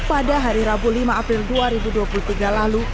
pada hari rabu lima april dua ribu dua puluh tiga lalu